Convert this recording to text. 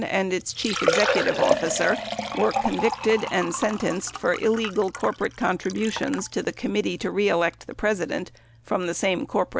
and its chief executive officer were convicted and sentenced for illegal corporate contributions to the Committee To Re Elect the President from the same corporate source.